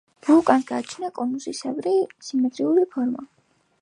ვულკანს გააჩნია კონუსისებრი, სიმეტრიული ფორმა.